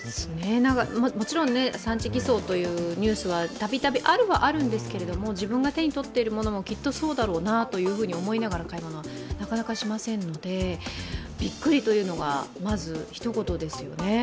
もちろん産地偽装というニュースはたびたびあるはあるんですけど、自分が手にとっているものも、きっとそうだろうなと思いながら買い物はなかなかしませんので、びっくりというのがまず一言ですよね。